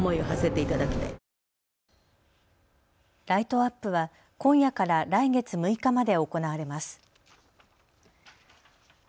ライトアップは今夜から来月６日まで行われます。